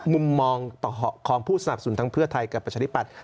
มุมมองของผู้สนับสนุนทั้งเพื่อไทยกับประชาธิปัตย